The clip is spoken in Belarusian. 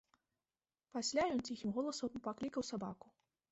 Пасля ён ціхім голасам паклікаў сабаку.